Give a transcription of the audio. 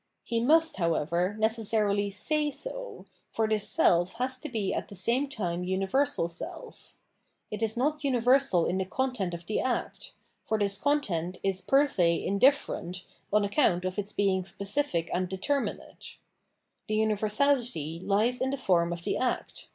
He must, however, necessarily say so, for this self has to be at the same time universal self. It is not universal in the content o f the act : for this content is per se indifferent on 664 Phenomenologi/ of Mind account of its being specific and determinate. The universality lies in the form of the act.